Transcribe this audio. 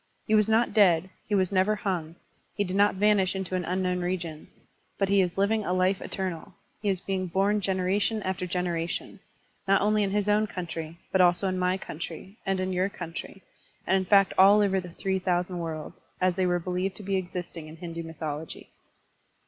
He was not dead, he was never hung, he did not vanish into an tuiknown region ; but he is living a life eternal, he is being bom generation after generation, not only in his own country, but also in my country, and in your country, and in fact all over the three thousand worlds (as they were believed to be existing in Hindu m)rthology).